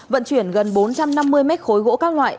vận chuyển gần bốn trăm năm mươi mét khối gỗ các loại